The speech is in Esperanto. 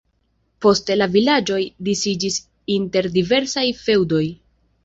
Poste la vilaĝoj disiĝis inter diversaj feŭdoj.